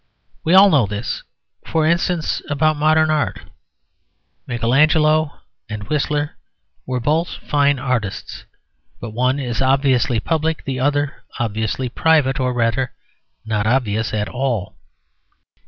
We all know this, for instance, about modern art. Michelangelo and Whistler were both fine artists; but one is obviously public, the other obviously private, or, rather, not obvious at all.